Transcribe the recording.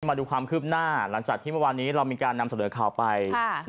มาดูความคืบหน้าหลังจากที่เมื่อวานนี้เรามีการนำเสนอข่าวไป